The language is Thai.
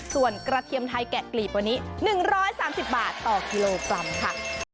ส่วนกระเทียมไทยแกะกลีบวันนี้หนึ่งร้อยสามสามสิบบาทต่อกิโลกรัมค่ะ